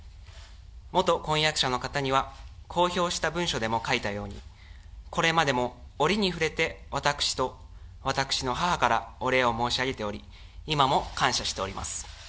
元婚約者の方には、公表した文書でも書いたように、これまでも折に触れて、私と私の母からお礼を申し上げており、今も感謝しております。